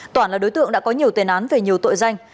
toản là đối tượng đã có nhiều tiền án về nhiều tội danh